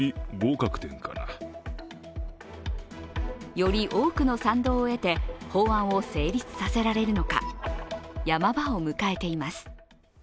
より多くの賛同を得て法案を成立させられるのか、山場を迎えています。